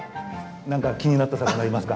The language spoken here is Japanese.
何か気になった魚いますか？